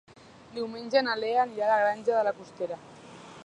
Diumenge na Lea anirà a la Granja de la Costera.